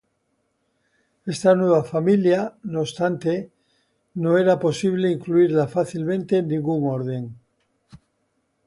Esta nueva familia, no obstante, no era posible incluirla fácilmente en ningún orden.